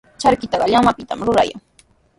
Charkitaqa llamapitami rurayan.